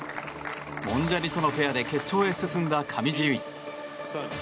モンジャニとのペアで決勝に進んだ上地結衣。